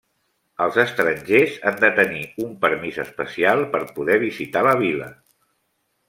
Els estrangers han de tenir un permís especial per poder visitar la vila.